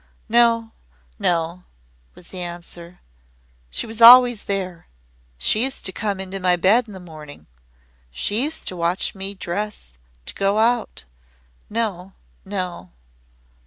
"No! No!" was the answer. "She was always there! She used to come into my bed in the morning. She used to watch me dress to go out. No! No!"